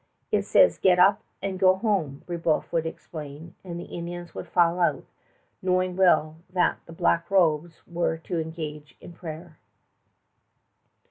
"It says 'Get up and go home,'" Brébeuf would explain, and the Indians would file out, knowing well that the Black Robes were to engage in prayer.